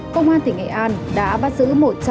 công an tỉnh nghệ an đã bắt giữ